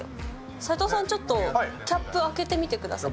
斉藤さん、ちょっとキャップ開けてみてください。